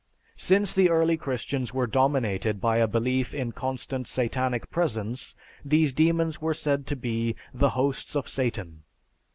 Since the early Christians were dominated by a belief in constant Satanic presence, these demons were said to be the "Hosts of Satan."